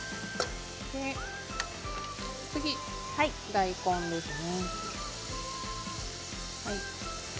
次、大根ですね。